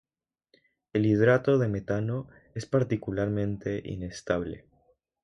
El hidrato de metano es particularmente inestable.